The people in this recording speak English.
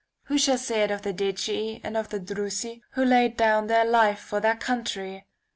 Who shall say it of the Decii and of the Drusi, who laid down their life for their country